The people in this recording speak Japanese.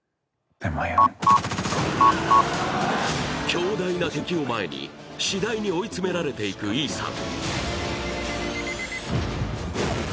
強大な敵を前に次第に追い詰められていくイーサン。